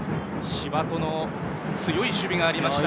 柴戸の強い守備がありました。